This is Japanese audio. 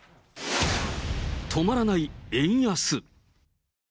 止まらない円安。